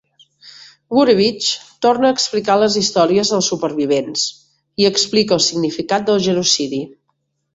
Gourevitch torna a explicar les històries dels supervivents i explica el significat del genocidi.